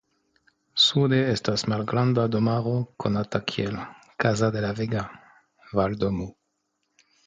Sude estas malgranda domaro konata kiel "Casa de la Vega" (Valdomo).